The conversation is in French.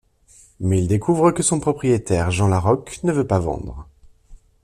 Mais il découvre que son propriétaire, Jean Laroque, ne veut pas vendre.